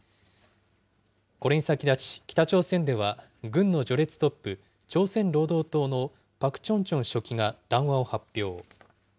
これに先立ち北朝鮮では、軍の序列トップ、朝鮮労働党のパク・チョンチョン書記が談話を発表。